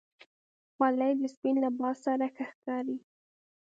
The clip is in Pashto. خولۍ د سپین لباس سره ښه ښکاري.